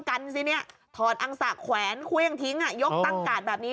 กันสิเนี่ยถอดอังสะแขวนเครื่องทิ้งอ่ะยกตั้งกาดแบบนี้